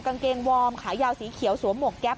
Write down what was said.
กางเกงวอร์มขายาวสีเขียวสวมหวกแก๊ป